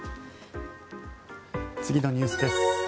次のニュースです。